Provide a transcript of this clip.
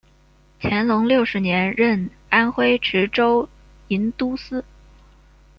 乾隆六十年任安徽池州营都司。